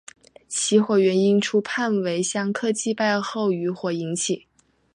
起火原因初判为香客祭拜后余火引起。